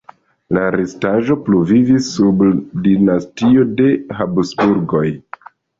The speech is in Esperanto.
La restaĵo pluvivis sub dinastio de Habsburgoj.